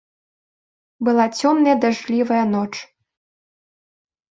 Была цёмная дажджлівая ноч.